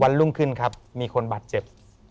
รุ่งขึ้นครับมีคนบาดเจ็บ